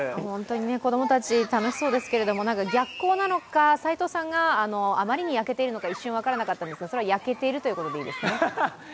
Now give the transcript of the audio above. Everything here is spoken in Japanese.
子供たち楽しそうですけれども、逆光なのか齋藤さんがあまりに焼けているのか一瞬分からなかったんですが、それは焼けているということでいいですね？